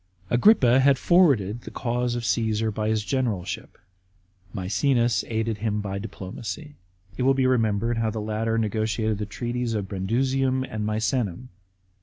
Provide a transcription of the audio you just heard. Agrippa had forwarded the cause of Caesar by his generalship ; Maecenas aided him by diplomacy. It will be re membered how the latter negotiated the treaties of Brundusium and Misenum.